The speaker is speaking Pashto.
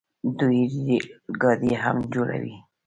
دوی ریل ګاډي هم جوړوي.